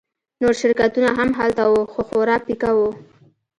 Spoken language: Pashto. نور شرکتونه هم هلته وو خو خورا پیکه وو